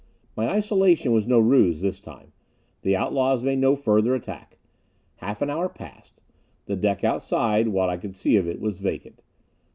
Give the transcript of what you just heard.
My isolation was no ruse this time. The outlaws made no further attack. Half an hour passed. The deck outside, what I could see of it, was vacant.